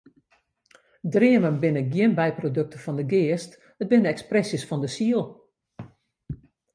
Dreamen binne gjin byprodukten fan de geast, it binne ekspresjes fan de siel.